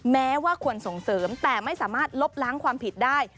แม้ว่าควรส่งเสริมแต่ไม่สามารถลบล้างความผิดได้